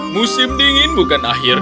musim ini akan berakhir